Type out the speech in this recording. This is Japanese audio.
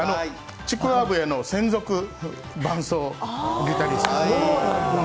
ちくわ笛の専属伴奏ギタリスト。